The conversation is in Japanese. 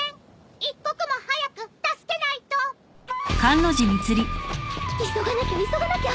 一刻モ早ク助ケナイト！急がなきゃ急がなきゃ！